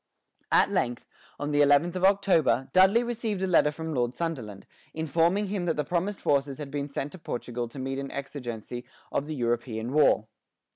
At length, on the eleventh of October, Dudley received a letter from Lord Sunderland, informing him that the promised forces had been sent to Portugal to meet an exigency of the European war.